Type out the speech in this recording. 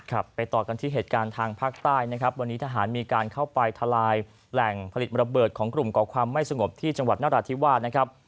ไปต่อกันที่เหตุการณ์ทางภาคใต้นะครับวันนี้ทหารมีการเข้าไปทลายแหล่งผลิตระเบิดของกลุ่มก่อความไม่สงบที่จังหวัดนราธิวาสนะครับ